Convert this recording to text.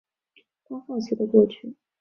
他好奇的过去